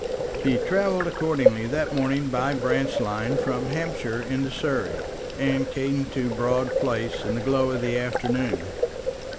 He travelled accordingly that morning by branch lines from Hampshire into Surrey, and came to Broad Place in the glow of the afternoon.